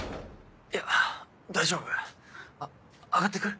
いや大丈夫上がってく？